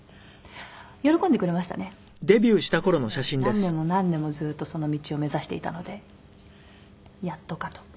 何年も何年もずっとその道を目指していたのでやっとかと。